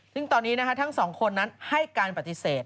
ซึ่งตอนนี้ทั้งสองคนนั้นให้การปฏิเสธ